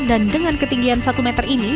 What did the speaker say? dan dengan ketinggian satu meter ini